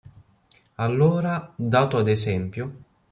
Allora, dato ad es.